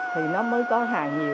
thì nó mới có hàng nhiều